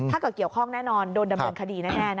ถ้าเกี่ยวข้องแน่นอนโดนดำเนินคดีแน่นะครับ